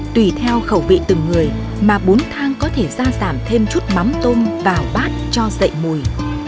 tùy theo khẩu vị từng người mà bốn thang có thể ra giảm thêm chút mắm tôm vào bát cho dậy mùi